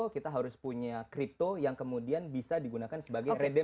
kita harus punya kripto yang kemudian bisa digunakan sebagai redem